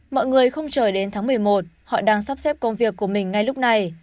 mọi người không chờ đến tháng một mươi một họ đang sắp xếp công việc của mình ngay lúc này